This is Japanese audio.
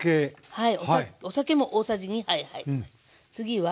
はい。